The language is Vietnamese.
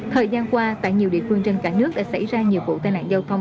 thời gian qua tại nhiều địa phương trên cả nước đã xảy ra nhiều vụ tai nạn giao thông